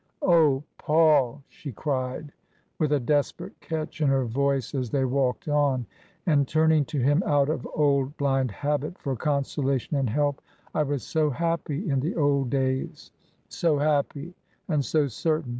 " Oh, Paul," she cried, with a desperate catch in her voice as they walked on, and turning to him out of old blind habit for consolation and help, " I was so happy in the old days — so happy and so certain